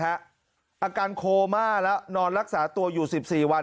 อาการโคม่าแล้วนอนรักษาตัวอยู่๑๔วัน